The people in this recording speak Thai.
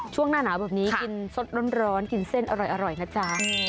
ช่วงหน้าหนาวแบบนี้กินสดร้อนกินเส้นอร่อยนะจ๊ะ